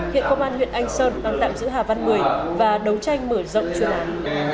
hiện công an huyện anh sơn đang tạm giữ hà văn một mươi và đấu tranh mở rộng chuyển án